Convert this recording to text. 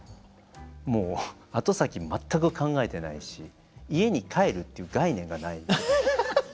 もう後先全く考えてないし家に帰るっていう概念がない。